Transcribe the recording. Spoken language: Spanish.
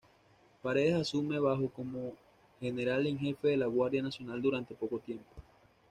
Paredes asume bajo como General en Jefe de la Guardia Nacional durante poco tiempo.